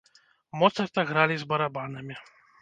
Моцарта гралі з барабанамі.